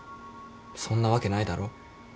そんなわけないだろ。